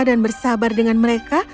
dan bersabar dengan mereka